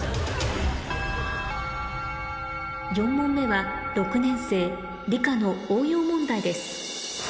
４問目は６年生理科の応用問題です